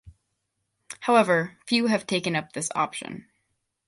However few have taken up this option.